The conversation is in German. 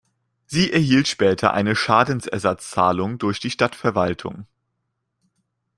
Sie erhielt später eine Schadensersatzzahlung durch die Stadtverwaltung.